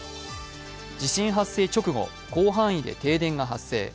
地震発生直後、広範囲で停電が発生。